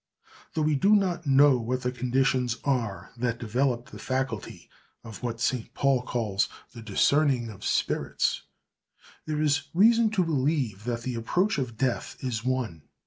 Though we do not know what the conditions are that develop the faculty of what St. Paul calls the discerning of spirits, there is reason to believe that the approach of death is one.